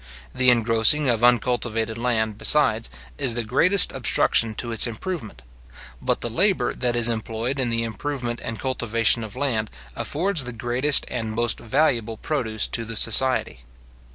The engrossing of uncultivated land, besides, is the greatest obstruction to its improvement; but the labour that is employed in the improvement and cultivation of land affords the greatest and most valuable produce to the society.